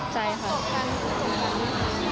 ใช่ค่ะ